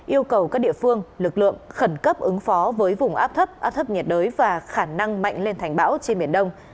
yêu cầu các địa phương lực lượng khẩn cấp ứng phó với vùng áp thấp áp thấp nhiệt đới và khả năng mạnh lên thành bão trên biển đông